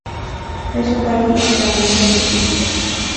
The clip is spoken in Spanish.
Es un barrio ligeramente envejecido.